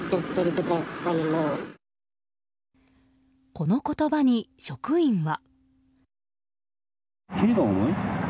この言葉に、職員は。